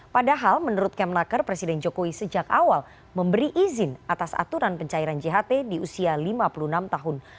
padahal menurut kemnaker presiden jokowi sejak awal memberi izin atas aturan pencairan jht di usia lima puluh enam tahun